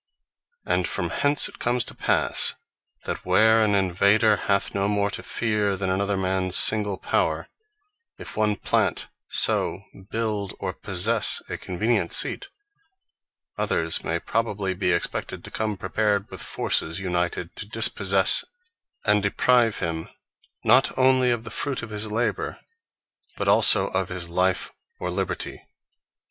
And from hence it comes to passe, that where an Invader hath no more to feare, than an other mans single power; if one plant, sow, build, or possesse a convenient Seat, others may probably be expected to come prepared with forces united, to dispossesse, and deprive him, not only of the fruit of his labour, but also of his life, or liberty.